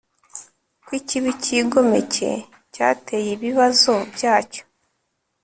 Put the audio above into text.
ko ikibi cyigomeke cyateye ibibazo byacyo